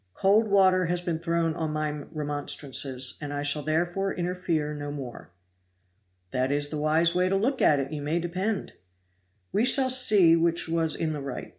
COLD WATER HAS BEEN THROWN ON MY REMONSTRANCES, and I shall therefore interfere no more." "That is the wise way to look at it, you may depend!" "We shall see which was in the right.